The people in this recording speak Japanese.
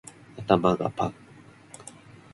頭がパーン